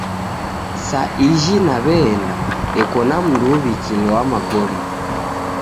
Sa ijhi naweenda deko na mndu uwikilo wa magome